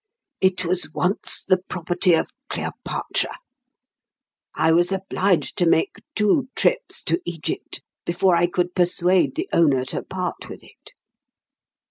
It was once the property of Cleopatra. I was obliged to make two trips to Egypt before I could persuade the owner to part with it.